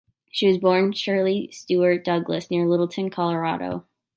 She was born Shirley Stewart Douglas near Littleton, Colorado.